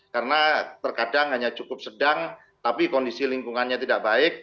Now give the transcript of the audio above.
karena terkadang hanya cukup sedang tapi kondisi lingkungannya tidak baik